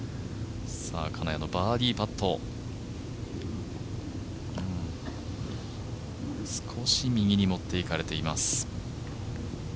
金谷のバーディーパット少し右に持って行かれています。